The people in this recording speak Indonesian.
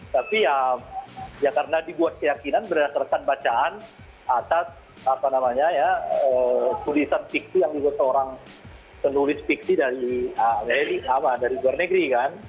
tapi ya karena dibuat keyakinan berdasarkan bacaan atas tulisan fiksi yang dibuat seorang penulis fiksi dari luar negeri kan